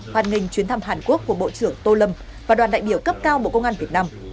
hoàn nghênh chuyến thăm hàn quốc của bộ trưởng tô lâm và đoàn đại biểu cấp cao bộ công an việt nam